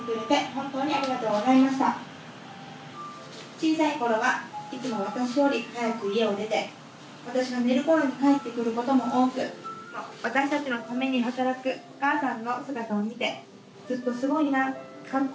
小さい頃はいつも私より早く家を出て私が寝る頃に帰ってくることも多く私たちのために働くお母さんの姿を見てずっとすごいなかっこ